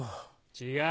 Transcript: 違う。